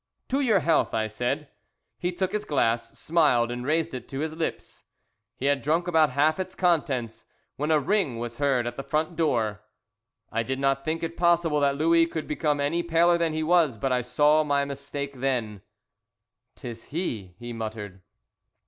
"To your health," I said. He took his glass, smiled, and raised it to his lips. He had drunk about half its contents when a ring was heard at the front door. I did not think it possible that Louis could become any paler than he was, but I saw my mistake then. "'Tis he," he muttered.